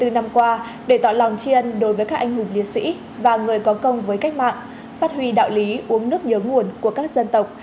bảy mươi bốn năm qua để tỏ lòng tri ân đối với các anh hùng lý sĩ và người có công với cách mạng phát huy đạo lý uống nước nhớ nguồn của các dân tộc